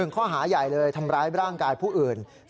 ข้อหาใหญ่เลยทำร้ายร่างกายผู้อื่น